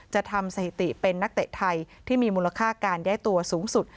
จะทำสถิติเป็นนักเตะไทยที่มีมูลค่าการย้ายตัวสูงสุด